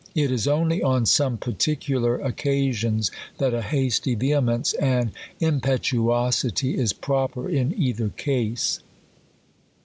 It is only on some particular occasions that a hasty vehemence and impe tuosity is proper in either case.